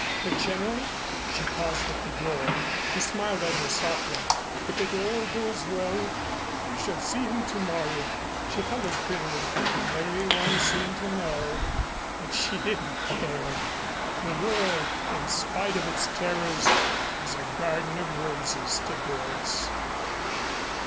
"But, General " She paused at the door. He smiled at her softly. "If all goes well you shall see him tomorrow." She colored prettily. Everyone seemed to know, but she didn't care. The world, in spite of its terrors, was a garden of roses to Doris.